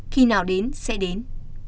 khi nào đến sẽ đến